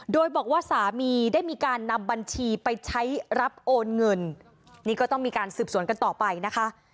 โดยบอกว่าสามีได้มีการนำบัญชีไปใช้รับโอนเงินนี่ก็ต้องมีการสืบสวนกันต่อไปนะคะ